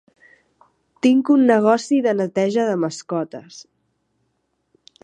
Tinc un negoci de neteja de mascotes.